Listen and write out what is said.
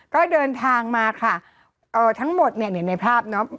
ก็เดินทางมาค่ะเอ่อทั้งหมดเนี่ยในภาพเนาะ